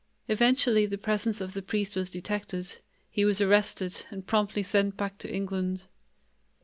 Eventually the presence of the priest was detected; he was arrested and promptly sent back to England.